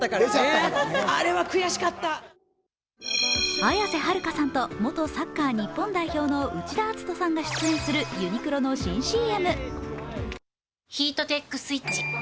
綾瀬はるかさんと元サッカー日本代表の内田篤人さんが出演するユニクロの新ＣＭ。